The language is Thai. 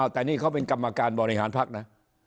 แต่นี่เขาเป็นกรรมการบริหารพักนะ